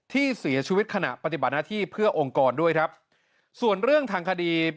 ที่เสียชีวิตขณะปฏิบัติหน้าที่เพื่อองค์กรด้วยครับส่วนเรื่องทางคดี